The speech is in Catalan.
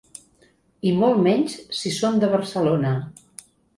I molt menys si són de Barcelona.